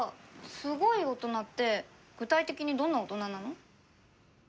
すごい大人って具体的にどんな大人なの？